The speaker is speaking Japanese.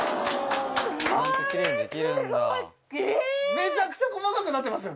めちゃくちゃ細かくなってますよね。